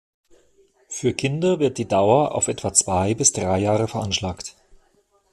Für Kinder wird die Dauer auf etwa zwei bis drei Jahre veranschlagt.